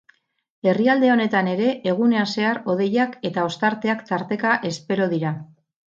Herrialde honetan ere egunean zehar hodeiak eta ostarteak tarteka espero dira.